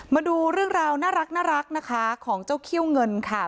มาดูเรื่องราวน่ารักนะคะของเจ้าเขี้ยวเงินค่ะ